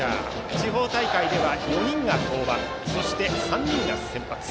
地方大会では４人が登板そして３人が先発。